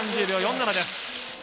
３０秒４７です。